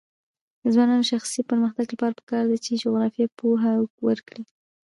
د ځوانانو د شخصي پرمختګ لپاره پکار ده چې جغرافیه پوهه ورکړي.